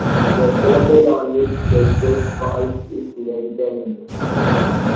The syllable on which the stress falls is lengthened.